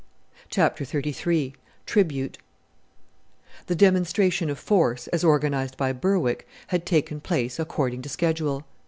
CHAPTER XXXIII TRIBUTE The demonstration of force, as organized by Berwick, had taken place according to schedule.